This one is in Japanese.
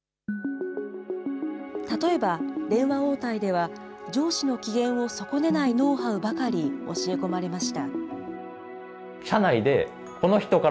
例えば電話応対では、上司の機嫌を損ねないノウハウばかり教え込まれました。